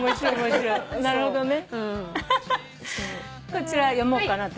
こちら読もうかな私。